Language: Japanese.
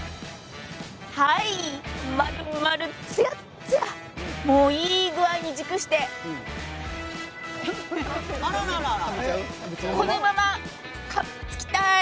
まるまる、つやつやいい具合に熟してこのまま、かぶりつきたい！